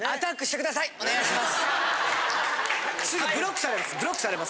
お願いします。